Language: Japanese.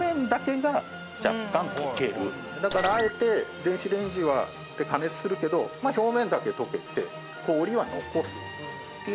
だからあえて電子レンジで加熱するけど表面だけ溶けて氷は残すっていうのが今回の特徴。